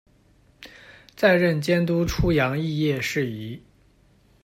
再任监督出洋肄业事宜。